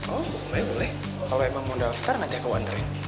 oh boleh boleh kalau emang mau daftar nanti aku antarin